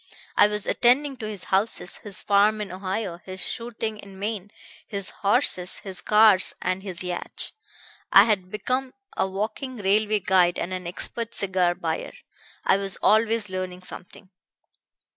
I was attending to his houses, his farm in Ohio, his shooting in Maine, his horses, his cars and his yacht. I had become a walking railway guide and an expert cigar buyer. I was always learning something.